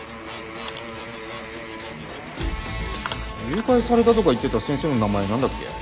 誘拐されたとか言ってた先生の名前何だっけ？